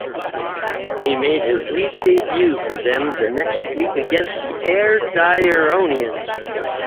He made his league debut for them the next week against Airdrieonians.